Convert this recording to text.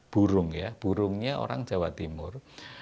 burung ya burungnya orang jawa timur